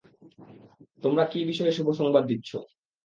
তোমরা কী বিষয়ে শুভ সংবাদ দিচ্ছ?